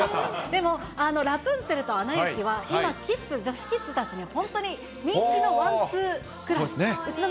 でもラプンツェルとアナ雪は今、キッズ、女子キッズたちに本当に人気のワンツーくらい。